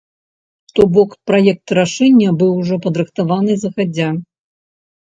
То бок праект рашэння быў ужо падрыхтаваны загадзя.